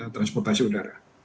terima kasih udara